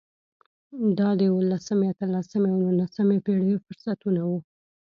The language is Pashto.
دا د اولسمې، اتلسمې او نولسمې پېړیو فرصتونه وو.